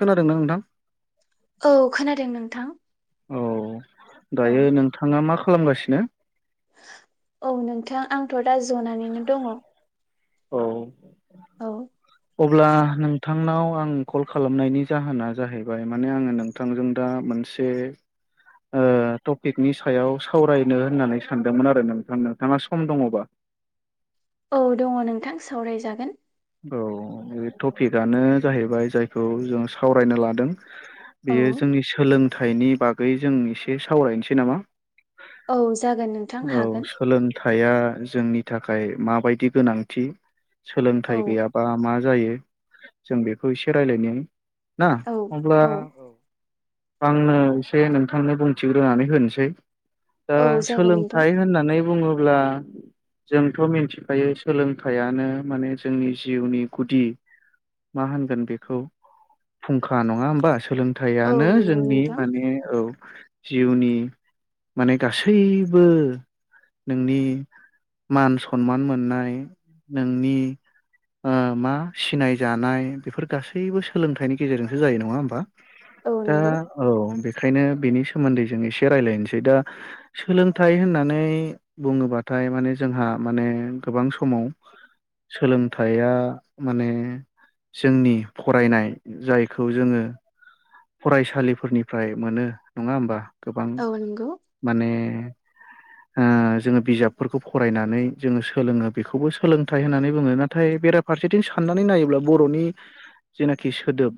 खोनादोंना नोंथां औ खोनादों नोंथां औ औ दायो नोंथाङा मा खालामगासिनो औ नोंथां आंथ' दा जनानैनो दङ औ अब्ला नों नोंथांनाव आं कल खालामनायनि जाहोना जाहैबाय माने आङो नोंथांजों दा मोनसे टपिकनि सायाव सावरायनो होननानै सानदोंमोन आरो नोंथां नोंथाङा सम दङबा औ दङ नोंथां सावरायजागोन औ बे टपिकआनो जाहैबाय जायखौ जों सावरायनो लादों औ बेयो जोंनि सोलोंथाइनि बागै जों एसे सावरायनोसै नामा औ जागोन नोंथां औ हागोन सोलोंथाया जोंनि थाखाय माबायदि गोनांथि औ सोलोंथाइ गैयाबा मा जायो जों बेखौ एसे रायज्लायनि ना अब्ला औ आंनो एसे नोंथांनो बुंथिग्रोनानै होनोसै दा औ जागोन नोंथां सोलोंथाइ होननानै बुङोब्ला अब्ला जोंथ' मिथिखायो सोलोंथायानो माने जोंनि जिउनि गुदि मा होनगोन बेखौ फुंखा नङा होमबा सोलों औ थायानो नंगौ जोंनि नोंथां माने औ जिउनि माने गासैबो नोंनि मान सनमान मोननाय नोंनि मा सिनाय जानाय बेफोर गासैबो सोलोंथाइनि गेजेरजोंसो जायो नङा होमबा औ दा नंगौ औ बेखायनो बेनि स सोमोन्दै जों एसे रायजलायनोसै दा सोलोंथाइ होननानै बुङोबाथाय माने जोंहा माने गोबां समाव सोलों थाया माने जोंनि फरायनाय जायखौ जोङो फरायसालिफोरनिफ्राय मोनो नङा होमबा गोबां औ नंगौ माने [inaudible] ओ जोङो बिजाबफोरखौ फरायनानै जोङो सोलोङो बेखौबो सोलोंथाइ होननानै बुङो नाथाय बेराद फारसेथिं साननानै नायोब्ला बर'नि जेनाखि सोदोब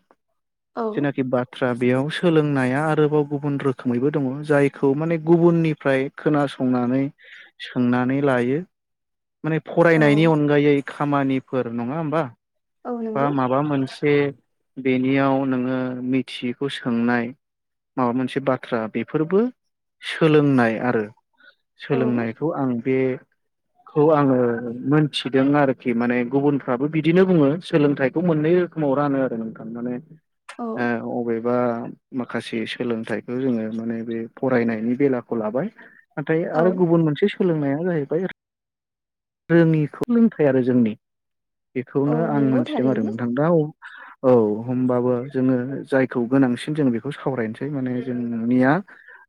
औ जेनाखि बाथ दा बेयाव सोलोंनाया आरोबाव गुबुन रोखोमैबो दङ जायखौ माने गुबुननिफ्राय खोनासं नानै सोंनानै लायो माने औ फरायनायनि अनगायै खामानिफोर नङा होमबा औ बा नंगौ माबा मोनसे बे बेनियाव नोङो मिथियैखौ सोंनाय माबा मोनसे बाथ्रा बेफोरबो सोलोंनाय आरो औ सोलोंनायखौ आं बेखौ आङो मोनथिदों आरोखि माने गुबुनफ्राबो बिदिनो बुङो । सोलोंथाइखौ मोननै रोखोमाव रानो आरो नोंथां माने औ ओ अबेबा माखासे सोलोंथाइखौ जोङो माने बे फरायनायनि बेलाखौ लाबाय नाथाय औ आरो गुबुन मोनसे सोलोंनाया जाहैबाय रोङिखौ लोंथाय आरो जोंनि औ बेखौनो आं नंगौ मोनथिदों आरो थारैनो नोंथां दा औ होमबाबो जोङो जायखौ गोनांसिन जों बेखौ सावरायनोसै माने जों नुनाया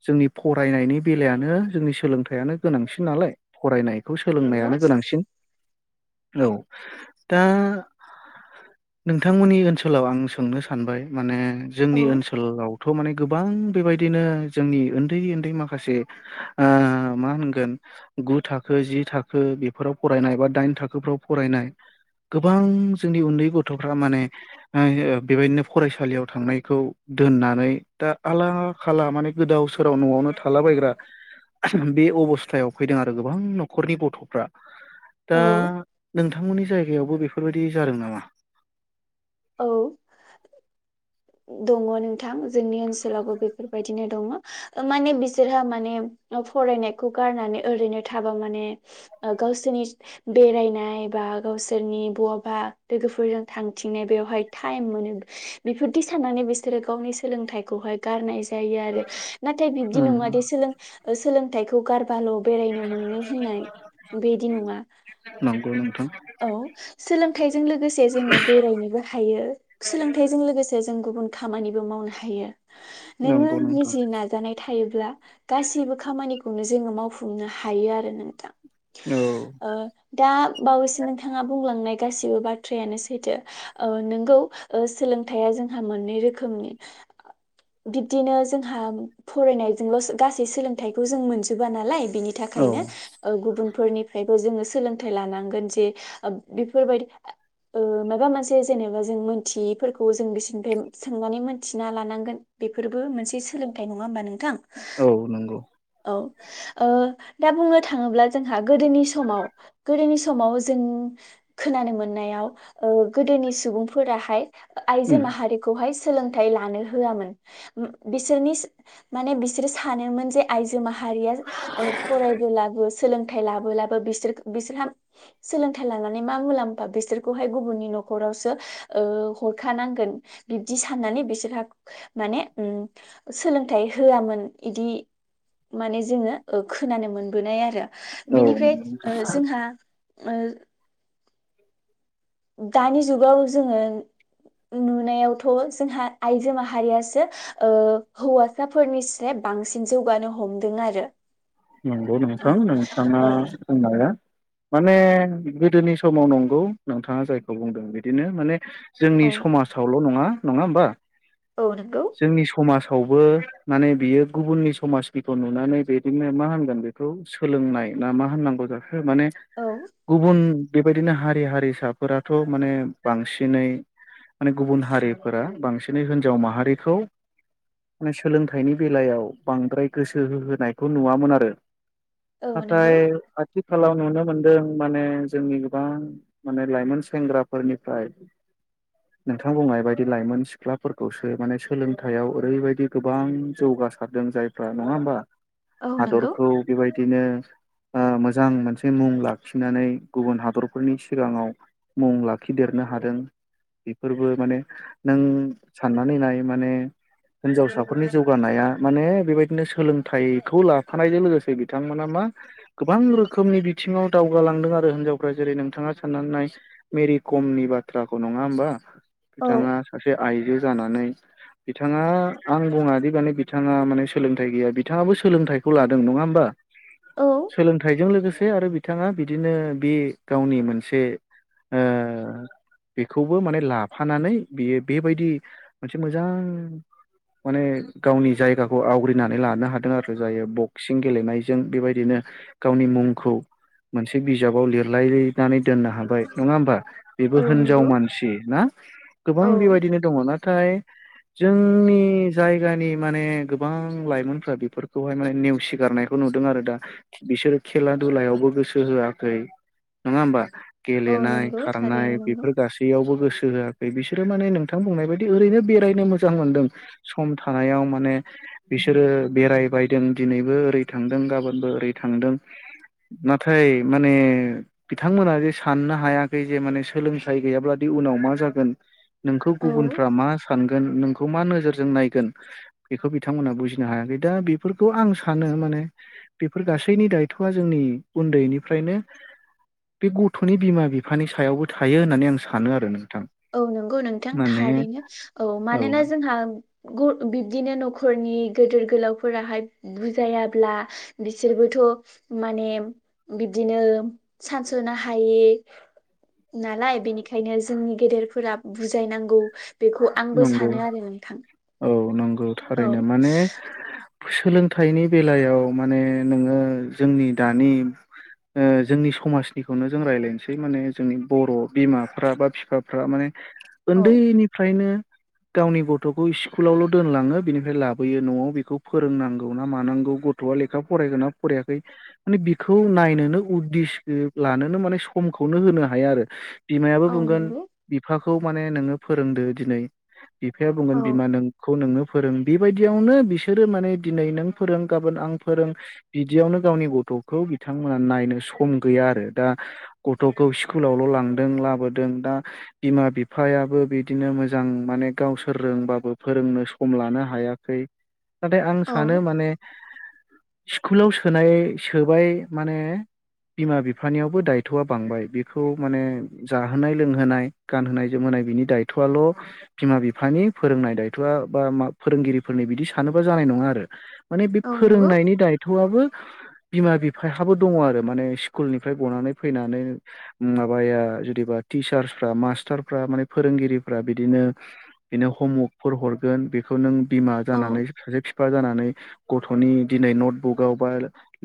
जोंनि फरायनायनि बेलायानो जोंनि सोलोंथाइयानो गोनांसिन नालाय फरायनाय । बेखौ नंगौ सोलोंनायानो गोनांसिन औ दा नोंथांमोननि ओनसोलाव आं सोंनो सानबाय माने औ जोंनि ओनसोलावथ' माने गोबां बेबायदिनो जोंनि उन्दै उन्दै माखासे ओ मा होनगोन गु थाखो जि थाखो बेफोराव फरायनाय बा दाइन थाखोफ्राव फरायनाय गोबां जोंनि उन्दै गथ'फ्रा माने बेबायदिनो फरायसालियाव थांनायखौ दोननानै दा आला खाला माने गोदाव सोराव न'आवनो थालाबायग्रा बे अबस्थायाव फैदों आरो गोबां न'खरनि गथ'फ्रा । दा नोंथांमोननि जायगायावबो बेफोरबायदि जादों नामा? औ दङ नोंथां जोंनि ओनसो लावबो बेफोरबायदिनो दङ । ओ माने बिसोरहा माने फरायनायखौ गारनानै ओरैनो थाबा माने गावसोरनि बेरायनाय बा गावसोरनि बहाबा लोगोफोरजों थांथिनाय बेवहाय टाइम मोनो बेफोरदि साननानै बिसोरो गावनि सोलोंथाइखौहाय गारनाय जायो। नाय जायो आरो नाथाय बिबदि उम नङादि सोलों सोलोंथखौ गार बाल' बेरायनो मोनो होननाय बेदि नङा। नंगौ नोंथां। औ सोलोंथाइजों लोगोसे जोङो बेरायनोबो हायो सोलोंथाइजों लोगोसे गुबुन गुबुन खामानिबो मावनो हायो। नोङो नंगौ नोंथां निजि नाजानाय थायोब्ला गासैबो खामानिखौनो जोङो मावफुं नो हायो आरो नोंथां औ । ओ दा बावैस नोंथाङा बुंलांनाय गासिबो बाथ्रायानो सैथो ओ नोंगौ ओ सोलोंथाइया जोंहा मोननै रोखोमनि । बिब्दिनो जोंहा फरायनायजोंल' गासै सोलोंथाइखौ जों मोनजोबा नालाय। बिनि औ थाखायनो ओ गुबुनफोरनिफ्रायबो जोङो सोलोंथाइ लानांगोन जे ओ बेफोरबायदि ओ माबा मोनसे जेनेबा जों मोनथियैफोरखौ जों बिसोरनिफ्राय सोंनानै मोनथिना लानांगोन। बेफोरबो मोनसे सोलोंथाइ नङा होमबा नों औ नंगौ। औ ओ दा बुंनो थाङोब्ला जोंहा गोदोनि समाव गोदोनि समाव जों खोनानो मोननायाव ओ गोदोनि सुबुंफोराहाय आइजो उम माहारिखौहाय सोलोंथाइ लानो होआमोन बिसोरनि माने बिसोरो सानोमोन जे आइजो माहारिया ओ फरायबोलाबो सोलोंथाइ लाबोलाबो बिसोर बिसोरहा सोलोंथाइ लानानै मा मुलाम्फा बिसोरखौहाय गुबुननि न'खरावसो ओ हरखानांगोन। बिब्दि साननानै बिसोरहा माने उम सोलोंथाइ होआमोन इदि माने जोङो खोनानो मोनबोनाय आरो औ बिनिफ्राय जोंहा ओ। दानि जुगाव जोङो नुनायावथ' जोंहा आइजो माहारियासो ओ हौवासाफोरनि सेब बांसिन जौगानो हमदों आरो। नंगौ औ नोंथां नोंथाङा औ बुंनाया। माने गोदोनि समाव नंगौ नोंथाङा जायखौ बुंदों बिदिनो माने जोंनि समाजावल' नङा नङा होमबा औ नंगौ जोंनि समाज फ्रावबो माने बियो गुबुननि समाजनिखौ नुनानै बिदिनो मा होनगोन बेखौ सोलोंनाय ना मा होननांगौ जाखो माने औ गुबुन बेबायदिनो हारि हारिसाफोराथ' माने बांसिनै माने गुबुन हारिफोरा बांसिनै हिनजाव माहारिखौ‌ माने सोलोंथाइनि बेलायाव बांद्राय गोसो होहोनायखौ नुवामोन आरो औ नंगौ नाथाय आथिखालाव नुनो मोनदों माने जोंनि गोबां माने लाइमोन सेंग्राफोरनिफ्राय नोंथां बुंनाय बायदि लाइमोन सिख्लाफोरखौसो माने सोलोंथाइयाव ओरैबायदि गोबां जौगानाय जासारदों जायफ्रा नङा होमबा? औ नंगौ हादरखौ बेबायदिनो ओ मोजां मोनसे मुं लाखिनानै गुबुन हादरफोरनि सिगाङाव मुं लाखिदेर होनो हादों बेफोरबो माने नों साननानै नाय माने हिनजावसाफोरनि जौगानाया माने बेबायदिनो सोलोंथाइखौ ला खानायजों लोगोसे बिथांमोना मा गोबां रोखोमनि बिथिङाव दावगालांदों आरो हिनजावफ्रा जेरै नोंथां ना साननानैनाय मेरि कमनि बाथ्राखौ नङा होमबा? औ बिथाङा सासे आइजो जानानै बिथाङा आं बुङा दि माने बिथाङा माने सोलोंथाइ गैया बिथाङाबो सोलोंथाइ खौ लादों नङा होमबा औ सोलोंथाइजों लोगोसे आरो बिथाङा बिदिनो बे गावनि मोनसे ओ बेखौबो माने लाफानानै बियो बेबायदि मोनसे मोजां माने गावनि जायगाखौ आवग्रिनानै लानो हादों आरो जायो बक्सिं गेलेनायजों बेबायदिनो गावनि मुंखौ मोनसे बिजाबाव लिरलायनानै दोननो हाबाय नङा होमबा बेबो औ हिनजाव नंगौ मानसि ना गोबां औ बेबायदिनो दङ नाथाय जोंनि जायगानि माने गोबां लाइमोनफ्रा बेफोरखौहाय माने नेवसिगारनायखौ नुदों आरो दा बिसोरो खेला दुलायावबो गोसो होआखै नङा होमबा औ गेलेनाय नंगौ खारनाय थारैनो नंगौ बेफोर गासैयावबो गोसो होआखै बिसोरो माने नोंथां बुंनाय बायदि ओरैनो बेरायनो मोजां मोन्दों सम थानायाव माने बिसोरो बेरायबायदों दिनैबो ओरै थांदों गाबोनबो ओरै थांदों नाथाय माने बिथांमोना जे साननो हायाखै जे माने सोलोंथाइ गैयाब्ला दि उनाव मा जागोन नोंखौ औ गुबुफ्रा मा सानगोन नों खौ मा नोजोरजों नायगोन बेखौ बिथांमोना बुजिनो हायाखै दा बेफोरखौ आं सानो माने बेफोर गासैनि दायथ'आ जोंनि उन्दैनिफ्रायनो बे गथ'नि बिमा बिफानि सायावबो थायो होननानै आं सानो आरो नों औ नंगौ नोंथां थारैनो औ मानोना जोंहा बिब्दिनो न'खरनि गेदेर गोलावफोराहाय बुजायाब्ला बिसोरबोथ' माने बिदिनो सानस'नो हायै नालाय बेनिखायनो जोंनि गेदेरफोरा बुजायनांगौ बेखौ आंबो नंगौ सानो आरो नोंथां औ नंगौ औ थारैनो माने सोलोंथाइनि बेलायाव माने नोङो जोंनि दानि जोंनि समाजनिखौनो जों रायज्लायनोसै माने जोंनि बर' बिमाफ्रा बा बिफाफ्रा माने औ उन्दैनिफ्रायनो गावनि गथ'खौ स्कुलावल' दोनलाङो बिनिफ्राय लाबोयो न'आव बेखौ फोरोंनांगौ ना मानांगौ गथ'आ लेखा फरायगोन ना फरायाखै माने बेखौ नायनोनो उदेस लानोनो माने सम खौनो होनो हाया आरो बिमायाबो औ बुंगोन नंगौ बिफाखौ माने नोङो फोरोंदो दिनै बिफाया बुंगोन औ बिमा नोंखौ नोंनो फोरों बेबायदियावनो बिसोरो माने दिनै नों फोरों गाबोन आं फोरों बिदियावनो गावनि गथ' गथ'खौ बिथांमोना नायनो सम गैया आरो दा गथ'खौ स्कुलावल' लांदों लाबोदों दा बिमा बिफायाबो बि बिदिनो मोजां माने गावसोर रोंबाबो फोरोंनो सम लानो हायाखै। नाथाय आं औ सानो माने स्कुलाव सोनाय सोबाय माने बिमा बिफानियावबो दायथ'आ बांबाय बेखौ माने जाहोनाय लोंहोनाय गानहोनाय जोमहोनाय बिनि दाय दायथ'आल' बिमा बिफानि फोरोंनाय दायथ'आ बा मा फोरोंगिरिफोरनि बिदि सानोबा जानाय नङा आरो। माने बे औ नंगौ फोरोंनायनि दायथ'आबो बिमा बिफायाबो दङ आरो माने स्कुलनिफ्राय गनानै फैनानै माबाया जुदि बा। टिचार्सफ्रा मास्टारफ्रा माने फोरोंगिरि फोर बिदिनो बिनो हमवारकफोर हरगोन बेखौ नों बिमा औ जानानै सासे बिफा जानानै गथ'नि दिनै नटबुकआव बा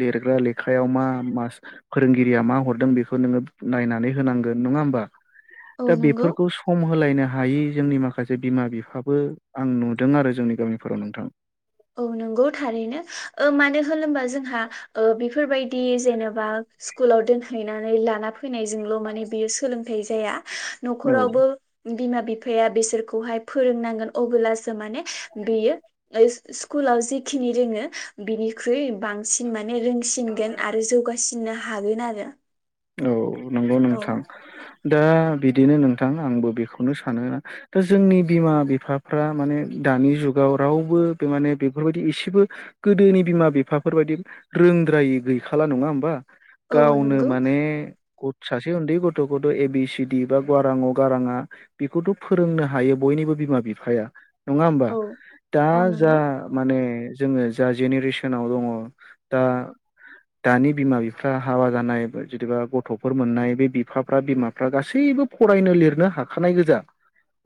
लिरग्रा लेखायाव मा मास फोरोंगिरिया मा हरदों बेखौ नोङो नायनानै होनांगोन नङा होमबा। औ दा नंगौ बेफोरखौ सम होलायनो हायि जोंनि माखासे बिमा बिफाबो आं नुदों आरो जोंनि गामिफोराव नोंथां। औ नंगौ थारैनो मानो होनबा जोंहा बेफोरबायदि जेनेबा स्कुलाव दोनहैनानै लाना फै फैनायजोंल' माने बियो सोलोंथ जाया औ न'खरावबो बिमा बिफाया बिसोरखौहाय फोरोंनांगोन अब्लासो माने बियो स्कुलाव जिखिनि रोङो बिनिख्रुइ बांसिन माने मे रोंसिनगोन आरो जौगासिननो हागोन आरो। औ नंगौ औ नोंथां। दा बिदिनो नोंथां आंबो बेखौनो सानोना दा जोंनि बिमा बिफाफ्रा माने दानि जुगाव रावबो बे माने बेफोरबायदि एसेबो गोदोनि बिमा बिफाफोरबायदि रों द्राय गैखाला नङा होमबा औ गावनो नंगौ माने सासे उन्दै गथ'खौथ' ए बि सिडि बा गाराङाव गाराङा बेखौथ' फोरोंनो हायो बयनि निबो बिमा बिफाया नङा हबा औ दा औ जा नंगौ माने जोङो जा जेनेरेसनाव दङ दा दानि बिमा बिफा हाबा जानाय जदिबा गथ'फोर मोननाय बे बिफाफ्रा बिमाफ्रा गासैबो फरायनो लिरनो हाखानाय गोजा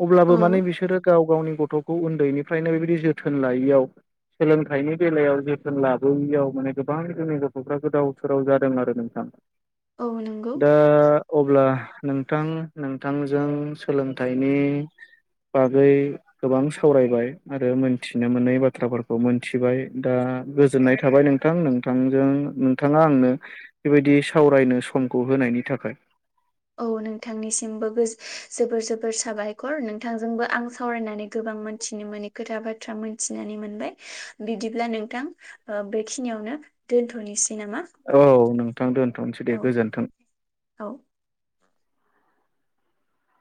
अब्लाबो औ माने बिसोरो गाव गावनि गथ' गथ'खौ उन्दैनिफ्रायनो बेबायदि जोथोन लायैयाव सोलोंथाइनि बेलायाव जोथोन लाबोयियाव माने गोबां जोंनि गथ'फ्रा गोदाव सोराव जादों आरो नोंथां। औ नंगौ। दा अब्ला नोंथां नोंथांजों सोलोंथाइनि बागै गोबां सावरायबाय आरो मोनथिनो मोननाय बाथ्राफोरखौ मोनथिबाय दा। गोजोननाय थाबाय नोंथां नों नोंथांजों नोंथाङा आंनो बेबायदि सावरायनो समखौ होनायनि थाखाय औ नोंथांनिसिमबो जोबोर जोबोर साबायखर नोंथांजोंबो आं सावरायनानै गोबां मोनथिनो मोनै खोथा बाथ्रा मोनथिनानै मोनबाय बिदिब्ला नोंथां बेखिनियावनो दोनथ'नोसै। नामा औ नोंथां दोनथ'सै दे औ गोजोनथों। औ